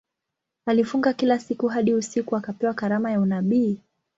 Alifunga kila siku hadi usiku akapewa karama ya unabii.